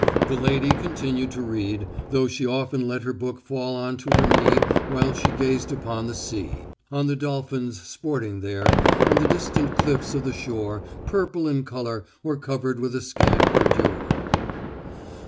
The lady continued to read, though she often let her book fall on to her knee while she gazed upon the sea, on the dolphins sporting there, on the distant cliffs of the shore, purple in colour or covered with a scant verdure.